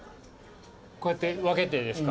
こうやって分けてですか？